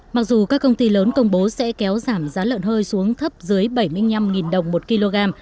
mặc dù các công ty lớn công bố sẽ kéo giảm giá lợn hơi xuống thấp dưới bảy mươi năm đồng một kg